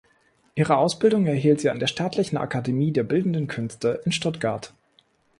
Ihre Ausbildung erhielt sie an der Staatlichen Akademie der Bildenden Künste in Stuttgart.